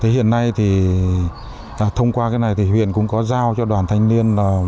hiện nay thông qua cái này thì huyện cũng có giao cho đoàn thanh niên